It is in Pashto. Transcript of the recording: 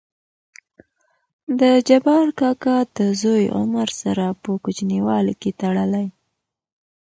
دجبار کاکا دزوى عمر سره په کوچينوالي کې تړلى.